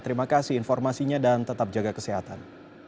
terima kasih informasinya dan tetap jaga kesehatan